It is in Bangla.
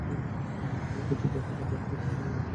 তিনি পিতৃব্যপুত্র হযরত জাফর ইবনে আবু তালেবের বাড়িতে গেলেন।